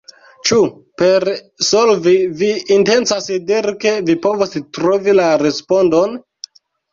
Ĉu per 'solvi' vi intencas diri ke vi povos trovi la respondon?